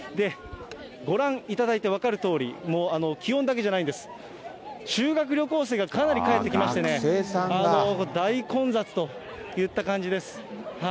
ご覧いただいて分かるとおり、もう気温だけじゃないんです、修学旅行生がかなり帰ってきまして、大混雑といった感じです。